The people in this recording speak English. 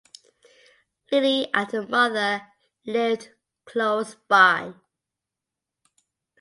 Lilly and her mother lived close by.